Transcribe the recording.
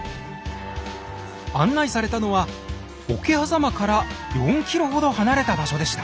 案内されたのは桶狭間から４ｋｍほど離れた場所でした。